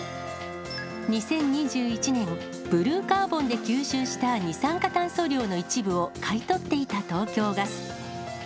２０２１年、ブルーカーボンで吸収した二酸化炭素量の一部を買い取っていた東京ガス。